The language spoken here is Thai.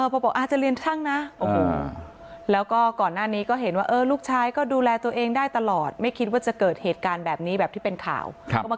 พอบอกอาจจะเรียนช่างนะแล้วก็ก่อนหน้านี้ก็เห็นว่าลูกชายก็ดูแลตัวเองได้ตลอดไม่คิดว่าจะเกิดเหตุการณ์แบบนี้แบบที่เป็นข่าว